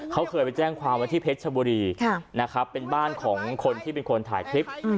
เขาเคยไปแจ้งความว่าที่เพชรชบุรีนะครับเป็นบ้านของคนที่เป็นคนถ่ายคลิป